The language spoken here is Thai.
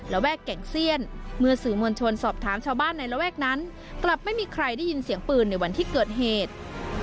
แวกแก่งเซียนเมื่อสื่อมวลชนสอบถามชาวบ้านในระแวกนั้นกลับไม่มีใครได้ยินเสียงปืนในวันที่เกิดเหตุ